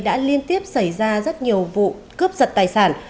đã liên tiếp xảy ra rất nhiều vụ cướp giật tài sản